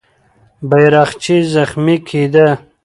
بیرغچی زخمي کېده.